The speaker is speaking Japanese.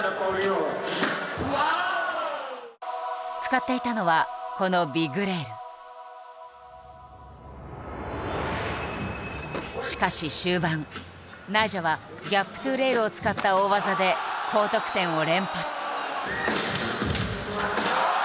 使っていたのはこのしかし終盤ナイジャは「ギャップｔｏレール」を使った大技で高得点を連発。